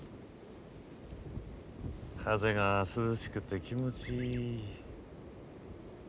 風が涼しくて気持ちいい。